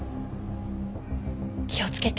気をつけて。